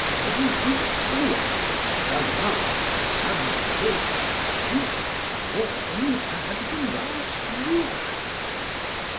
Run thither all of you, th' alarms sound clear, You shall have more than you had the last year.